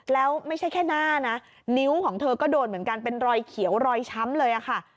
แล้วไม่ใช่แค่หน้านะนิ้วของเธอก็โดนเหมือนกันเป็นรอยเขียวรอยช้ำเลยค่ะ